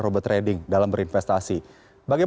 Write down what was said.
maka kita mengalami kerugian yang besar